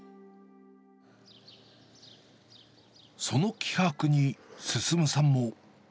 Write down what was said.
その気迫に、進さんも。